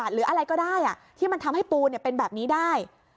หรืออะไรก็ได้ที่มันทำให้ปูเป็นแบบนี้ได้